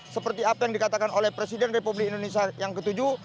seperti apa yang dikatakan oleh presiden republik indonesia yang ketujuh